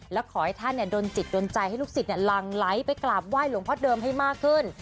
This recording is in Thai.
และขอให้ท่านโดนจิตโดนใจให้ลูกศิษย์หลั่งไหลไปกราบไห้หลวงพ่อเดิมให้มากขึ้น